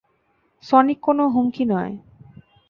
Sonic কোন হুমকি নয়।